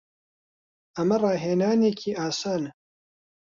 ئەمە ڕاهێنانێکی ئاسانە.